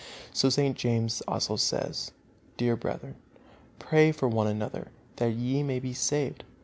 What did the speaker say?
St. James also says: "Dear brethren, pray for one another, that ye may be saved.